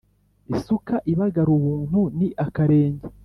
Isuka ibagara ubuntu ni akarenge.